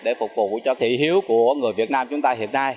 để phục vụ cho thị hiếu của người việt nam chúng ta hiện nay